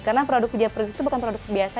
karena produk hijab princess itu bukan produk biasa